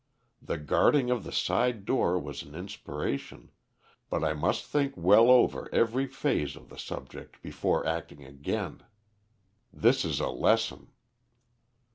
The guarding of the side door was an inspiration. But I must think well over every phase of the subject before acting again. This is a lesson."